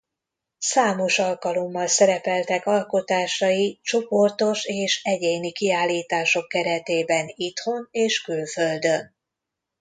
Számos alkalommal szerepeltek alkotásai csoportos és egyéni kiállítások keretében itthon és külföldön.